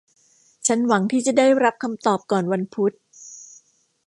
ฉันหวังที่จะได้รับคำตอบก่อนวันพุธ